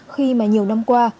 khi mà nhiều năm qua